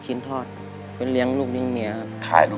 คุณจะกลับก็ได้อย่างนั้นสักครู่